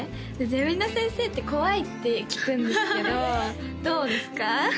ゼミの先生って怖いって聞くんですけどどうですか？